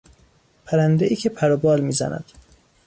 پرندهای که پر و بال میزند